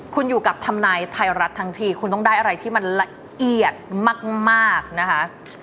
คุณอยู่กับทำนายไทยรัฐทั้งทีคุณต้องได้อะไรที่มันละเอียดมากนะคะ